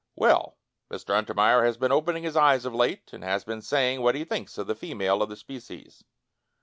Well, Mr. Untermeyer has been opening his eyes of late, and has been saying what he thinks of the female of the species.